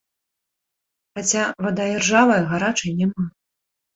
Хаця, вада іржавая, гарачай няма.